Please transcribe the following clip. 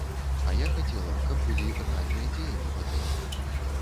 А я хацела, каб былі рэальныя дзеянні па тэме.